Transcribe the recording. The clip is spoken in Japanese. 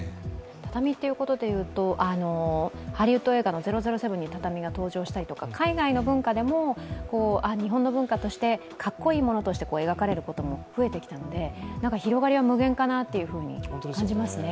畳ということでいうと、ハリウッド映画の「００７」に畳が登場したり、海外の文化でも日本の文化としてかっこいいものとして描かれることも増えてきたので広がりは無限かなと感じますね。